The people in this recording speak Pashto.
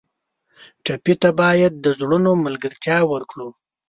ټپي ته باید د زړونو ملګرتیا ورکړو.